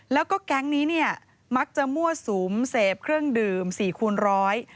แล้วก็แก๊งนี้เนี่ยมักจะมั่วสุมเสพเครื่องดื่มสี่คูณร้อย